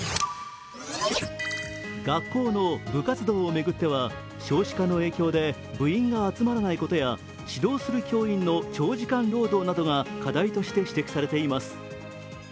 学校の部活動を巡っては少子化の影響で部員が集まらないことや指導する教員の長時間労働などが課題として指摘されています。